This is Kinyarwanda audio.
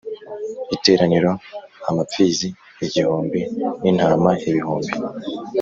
Iteraniro amapfizi igihumbi n intama ibihumbi